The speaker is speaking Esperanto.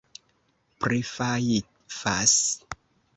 prifajfas